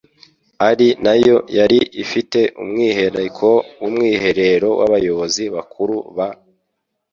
ari nayo yari ifite umwihariko w'umwiherero w'Abayobozi bakuru b